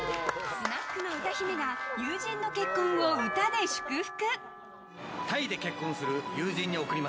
スナックの歌姫が友人の結婚を歌で祝福！